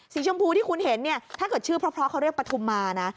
ชมพูที่คุณเห็นเนี่ยถ้าเกิดชื่อเพราะเขาเรียกปฐุมมานะ